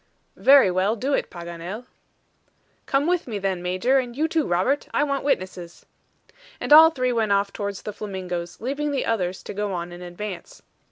"Very well; do it, Paganel." "Come with me, then, Major, and you too Robert. I want witnesses." And all three went off towards the flamingos, leaving the others to go on in advance.